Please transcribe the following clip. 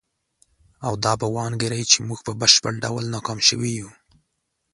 او دا به وانګیري چې موږ په بشپړ ډول ناکام شوي یو.